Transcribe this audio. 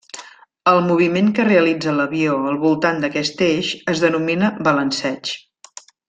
El moviment que realitza l'avió al voltant d'aquest eix es denomina balanceig.